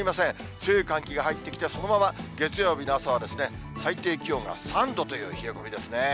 強い寒気が入ってきて、そのまま月曜日の朝は最低気温が３度という冷え込みですね。